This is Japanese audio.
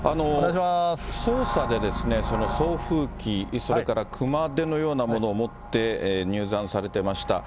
捜査で、送風機、それから熊手のようなものを持って入山されてました。